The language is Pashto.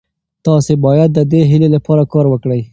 تاسي باید د دې هیلې لپاره کار وکړئ.